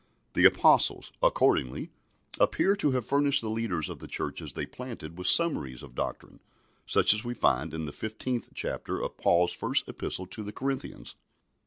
The Apostles, accordingly, appear to have furnished the leaders of the churches they planted with summaries of doctrine, such as we find in the fifteenth chapter of Paul's first Epistle to the Corinthians.